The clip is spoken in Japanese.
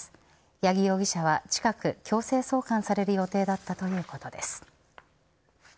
ヤギ容疑者は近く強制送還される予定だったということです。